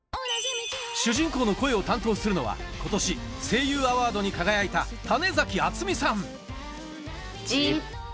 主人公の声を担当するのは今年声優アワードに輝いたＺＩＰ！